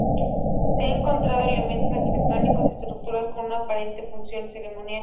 Se han encontrado elementos arquitectónicos y estructuras con una aparente función ceremonial.